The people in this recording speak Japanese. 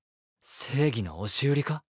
正義の押し売りか？